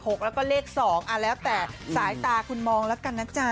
ก็บอกว่าเลข๖แล้วก็เลข๒แล้วแต่สายตาคุณมองแล้วกันนะจ๊ะ